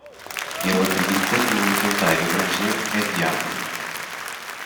Ele acredita que um inventário abrangente é viável.